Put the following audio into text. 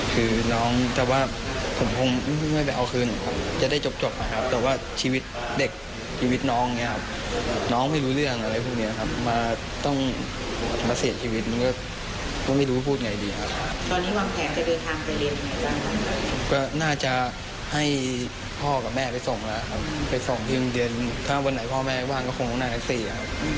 ก็น่าจะให้พ่อกับแม่ไปส่งแล้วครับไปส่งถึงเดือนถ้าวันไหนพ่อแม่บ้างก็คงต้องนั่งอักษรีครับ